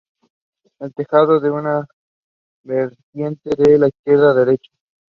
All are listed buildings at Historic England.